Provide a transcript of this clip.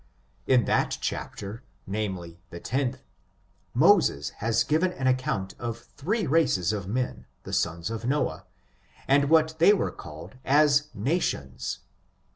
In that chapter, namely, the lOlh, Moses has given an account of three races of men, the sons of Noah, and what they were called as nations.